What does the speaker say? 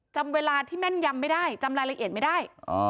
จำเวลาที่แม่นยำไม่ได้จำรายละเอียดไม่ได้